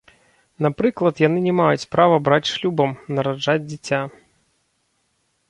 Напрыклад, яны не маюць права браць шлюбам, нараджаць дзіця.